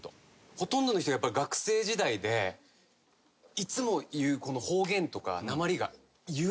ほとんどの人が学生時代でいつも言う方言とかなまりが言えなくて。